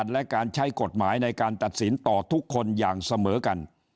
และการใช้กฎหมายในการตัดสินต่อทุกคนอย่างเสมอกัน